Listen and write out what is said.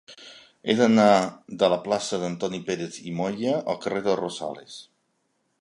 He d'anar de la plaça d'Antoni Pérez i Moya al carrer de Rosales.